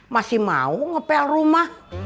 masih mau ngepel rumah